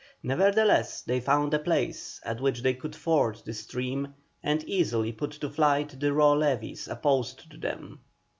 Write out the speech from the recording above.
Nevertheless they found a place at which they could ford the stream and easily put to flight the raw levies opposed to them.